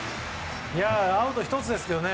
アウト１つですけどね